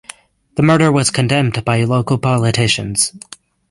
The murder was condemned by local politicians.